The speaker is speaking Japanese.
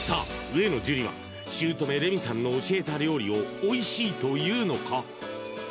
上野樹里は姑・レミさんの教えた料理をおいしいと言うのか